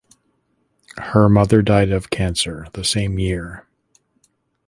Her mother died of cancer the same year.